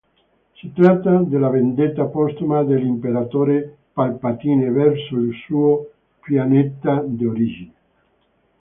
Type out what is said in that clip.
Si tratta della vendetta postuma dell'Imperatore Palpatine verso il suo pianeta d'origine.